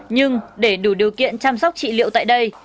nhưng để đủ điều kiện chăm sóc chị uy